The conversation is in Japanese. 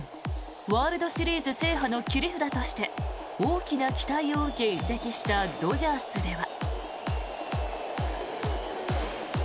ワールドシリーズ制覇の切り札として大きな期待を受け移籍したドジャースでは。